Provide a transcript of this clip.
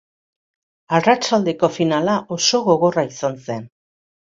Arratsaldeko finala oso gogorra izan zen.